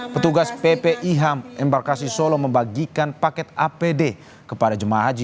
petugas ppih embarkasi solo membagikan paket apd kepada jemaah haji